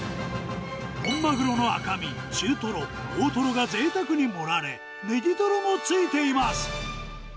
本マグロの赤身、中トロ、大トロがぜいたくに盛られ、ネギトロもついています。